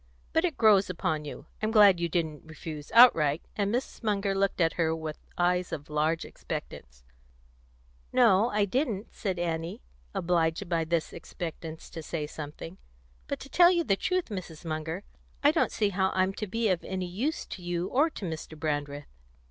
But it grows upon you. I'm glad you didn't refuse outright;" and Mrs. Munger looked at her with eyes of large expectance. "No, I didn't," said Annie, obliged by this expectance to say something. "But to tell you the truth, Mrs. Munger, I don't see how I'm to be of any use to you or to Mr. Brandreth."